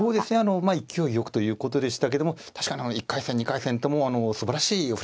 まあ勢いよくということでしたけども確かに１回戦２回戦ともすばらしい振り